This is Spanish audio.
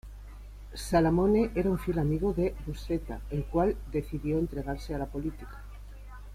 Salamone era un fiel amigo de Buscetta el cual decidió entregarse a la policía.